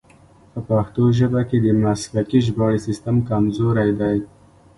په پښتو ژبه کې د مسلکي ژباړې سیستم کمزوری دی.